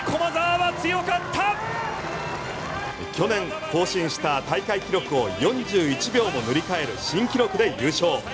去年更新した大会記録を４１秒も塗り替える新記録で優勝。